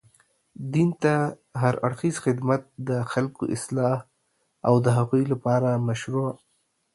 دين ته هر اړخيزه خدمت، د خلګو اصلاح او د هغوی لپاره مشروع